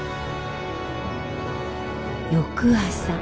翌朝。